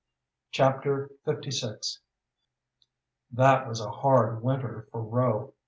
Chapter LVI That was a hard winter for Rowe.